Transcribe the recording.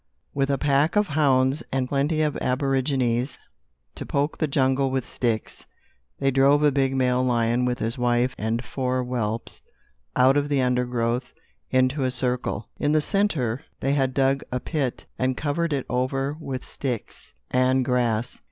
With a pack of hounds and plenty of aborigines to poke the jungle with sticks, they drove a big male lion, with his wife and four whelps, out of the undergrowth into a circle. In the centre, they had dug a pit and covered it over with sticks and grass.